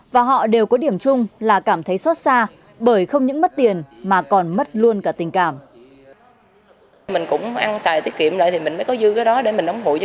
và họ đều có điểm chung là cảm thấy xót xa bởi không những mất tiền mà còn mất luôn cả tình cảm